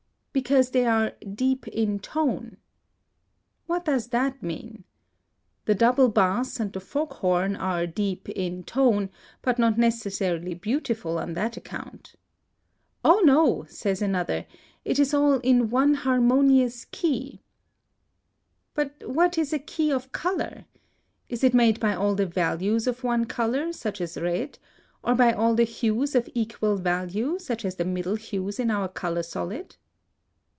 "Because they are deep in tone." What does that mean? The double bass and the fog horn are deep in tone, but not necessarily beautiful on that account. "Oh, no," says another, "it is all in one harmonious key." But what is a key of color? Is it made by all the values of one color, such as red, or by all the hues of equal value, such as the middle hues in our color solid?